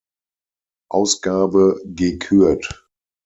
Ausgabe gekürt.